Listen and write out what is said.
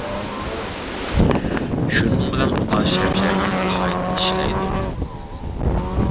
شۇنىڭ بىلەن ئۇلار شەمشەرنى قايتا ئىشلەيدۇ.